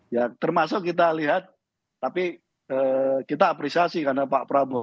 ya termasuk kita lihat tapi kita apresiasi karena pak prabowo